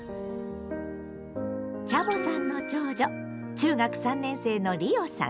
チャボさんの長女中学３年生のりおさん。